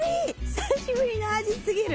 久しぶりの味過ぎる！